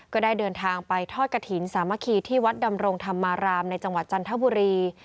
ก็ได้เดินทางไปทอดกระถิ่นสามัคคีที่วัดดำรงธรรมารามในจังหวัดจันทบุรี